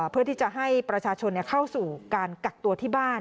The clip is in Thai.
เพื่อที่จะให้ประชาชนเข้าสู่การกักตัวที่บ้าน